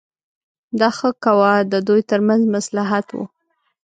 دا ښه کوه د دوی ترمنځ مصلحت و.